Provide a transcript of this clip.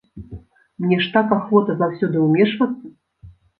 Мне ж так ахвота заўсёды ўмешвацца!